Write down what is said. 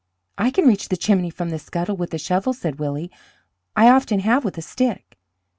"I can reach the chimney from the scuttle with a shovel," said Willie. "I often have with a stick."